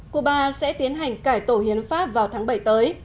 cuba sẽ tiến hành cải tổ hiến pháp vào tháng bảy tới